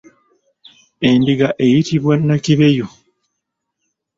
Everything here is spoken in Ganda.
Endiga eyitibwa nnakibeyu.